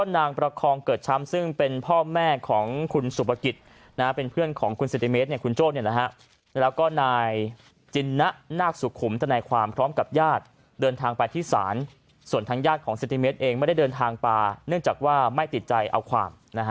นางประคองเกิดช้ำซึ่งเป็นพ่อแม่ของคุณสุภกิจเป็นเพื่อนของคุณเซนติเมตรคุณโจ้แล้วก็นายจินนะนาคสุขุมธนายความพร้อมกับญาติเดินทางไปที่ศาลส่วนทางญาติของเซนติเมตรเองไม่ได้เดินทางมาเนื่องจากว่าไม่ติดใจเอาความ